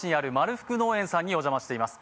ふく農園さんにお邪魔しています。